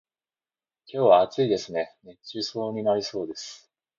今日は暑いですね、熱中症になりそうです。